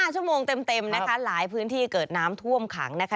๕ชั่วโมงเต็มหลายพื้นที่เกิดน้ำท่วมขัง